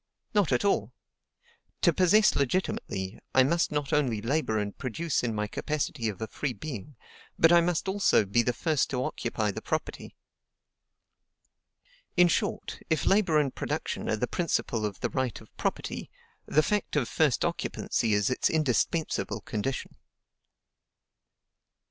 Not at all. To possess legitimately, I must not only labor and produce in my capacity of a free being, but I must also be the first to occupy the property. In short, if labor and production are the principle of the right of property, the fact of first occupancy is its indispensable condition.